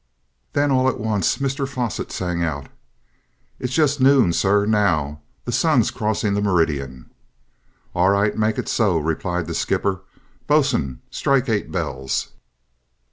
Then all at once Mr Fosset sang out. "It's just noon, sir, now. The sun's crossing the meridian!" "All right, make it so," replied the skipper. "Bos'un, strike eight bells."